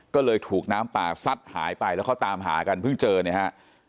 ก็เลยถูกน้ำป่าซัดหายไปแล้วเขาตามหากันเพิ่งเจอเนี่ยฮะ